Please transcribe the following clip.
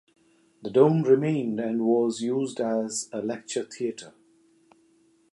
The dome remained and was used as a lecture theatre.